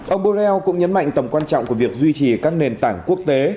ông borrell cũng nhấn mạnh tầm quan trọng của việc duy trì các nền tảng quốc tế